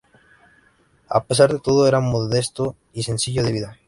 A pesar de todo era modesto y sencillo de vida.